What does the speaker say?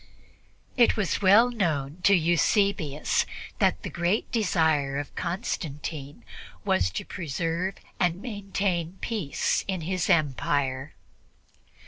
It was well known to Eusebius that the great desire of Constantine was to preserve and maintain peace in his empire.